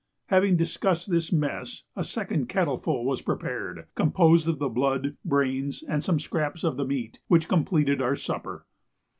Having discussed this mess, a second kettle full was prepared, composed of the blood, brains, and some scraps of the meat, which completed our supper.